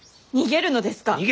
逃げるのですか。